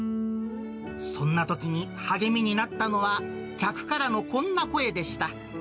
そんなときに励みになったのは客からのこんな声でした。